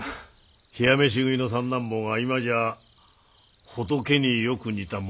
冷や飯食いの三男坊が今じゃ仏によく似た町廻りだ。